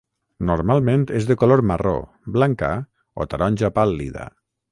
Normalment és de color marró, blanca o taronja pàl·lida.